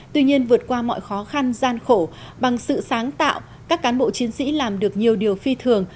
tuy nhiên vượt qua mọi khó khăn gian khổ bằng sự sáng tạo các cán bộ chiến sĩ làm được nhiều điều phi thường